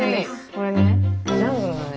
これねジャングルだね。